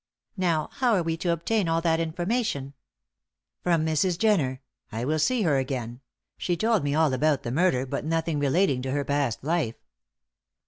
Now, how are we to obtain all that information? From Mrs. Jenner. I will see her again. She told me all about the murder, but nothing relating to her past life."